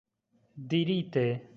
dirite